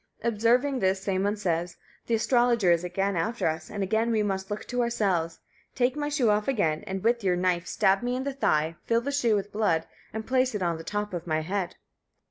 Observing this, Sæmund says: "The astrologer is again after us, and again we must look to ourselves; take my shoe off again, and with your knife stab me in the thigh; fill the shoe with blood, and place it on the top of my head."